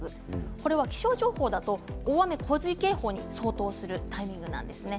これは気象情報だと大雨洪水警報に相当するタイミングなんです。